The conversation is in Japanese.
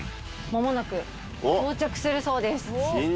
まもなく到着するそうです。